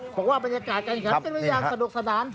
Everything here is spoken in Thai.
บอกว่าบรรยากาศการแข่งขันเป็นไปอย่างสนุกสนาน